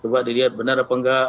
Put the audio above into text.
coba dilihat benar apa enggak